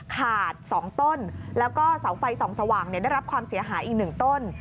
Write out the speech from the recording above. ๒ต้นแล้วก็เสาไฟส่องสว่างได้รับความเสียหายอีก๑ต้น